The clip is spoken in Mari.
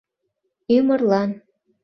Ӱмырлан.